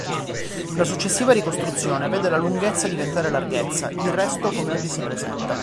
La successiva ricostruzione, vede la lunghezza diventare larghezza, il resto come oggi si presenta.